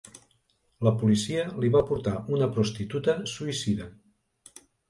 La policia li va portar una prostituta suïcida.